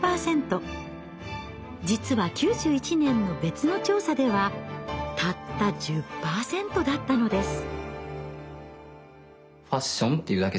実は９１年の別の調査ではたった１０％だったのです。